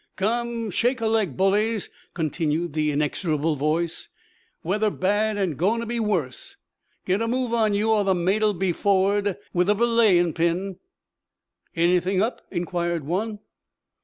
'Come, shake a leg, bullies!' continued the inexorable voice. 'Weather bad an' goin' to be worse! Get a move on you, or the mate 'll be for'ard with a belayin' pin!' 'Anything up?' inquired one.